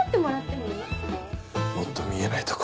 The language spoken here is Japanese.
もっと見えないとこ。